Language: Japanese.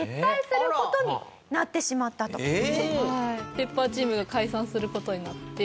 ペッパーチームが解散する事になって。